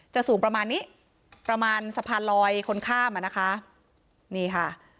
สูงประมาณนี้ประมาณสะพานลอยคนข้ามอ่ะนะคะนี่ค่ะ